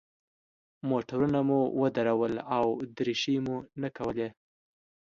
موټرونه مو ودرول او دریشۍ مو نه کولې.